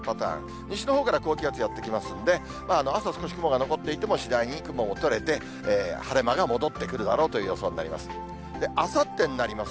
西のほうから高気圧やって来ますんで、朝、少し雲が残っていても、次第に雲も取れて、晴れ間が戻ってくるだろうという予想になります。